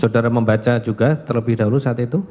saudara membaca juga terlebih dahulu saat itu